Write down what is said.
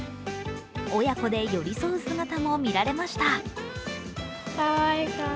親子で寄り添う姿も見られました。